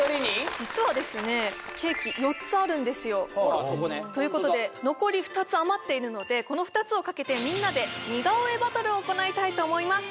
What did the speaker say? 実はですねケーキ４つあるんですよということで残り２つ余っているのでこの２つをかけてみんなで似顔絵バトルを行いたいと思います！